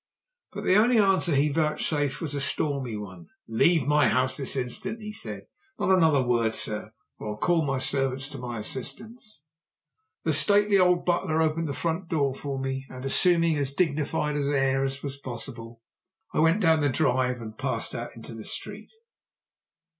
But the only answer he vouchsafed was a stormy one. "Leave my house this instant," he said. "Not another word, sir, or I'll call my servants to my assistance!" The stately old butler opened the front door for me, and assuming as dignified an air as was possible, I went down the drive and passed out into the street.